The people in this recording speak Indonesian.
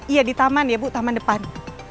iya di taman ya bu taman depan